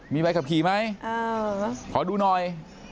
มีใบขับขี่ไหมขอดูหน่อย